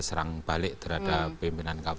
serang balik terhadap pimpinan kpk